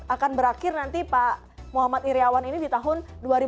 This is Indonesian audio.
akan berakhir nanti pak muhammad iryawan ini di tahun dua ribu dua puluh